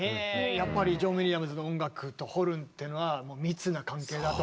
やっぱりジョン・ウィリアムズの音楽とホルンっていうのは密な関係だと？